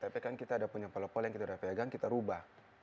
tapi kan kita ada punya pola pola yang kita udah pegang kita rubah